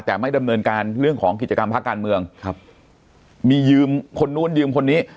แต่ไม่ดำเนินการเรื่องของกิจกรรมภาคการเมืองครับมียืมคนนู้นยืมคนนี้